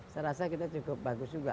saya rasa kita cukup bagus juga